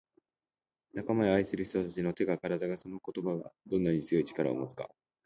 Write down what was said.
「仲間や愛する人達の手が体がその言葉がどんなに強い力を持つか」